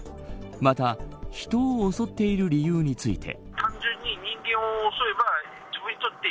また、人を襲っている理由について。